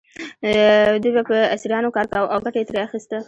دوی به په اسیرانو کار کاوه او ګټه یې ترې اخیسته.